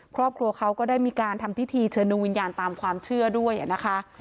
ครอบครัวเขาก็ได้มีการทำพิธีเชิญดวงวิญญาณตามความเชื่อด้วยนะคะ